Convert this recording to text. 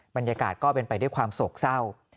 บรรยากาศก็เป็นไปด้วยความโศกเศร้า